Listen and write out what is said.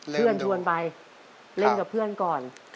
เพื่อนรวมไปเล่นกับเพื่อนก่อน